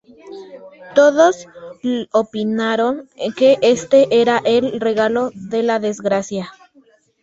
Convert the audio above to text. Todos opinaron que este era el regalo de la desgracia.